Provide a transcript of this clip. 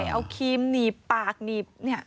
เอาครีมหนีบปากหนีบ